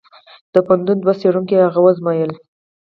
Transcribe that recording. د پوهنتون دوو څېړونکو هغه وزمویله.